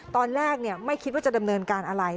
ตอนแรกไม่คิดว่าจะดำเนินการอะไร